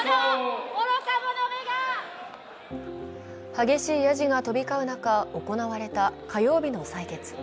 激しいやじが飛び交う中行われた火曜日の採決。